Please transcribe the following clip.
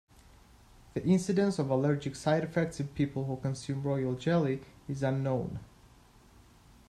The incidence of allergic side effects in people who consume royal jelly is unknown.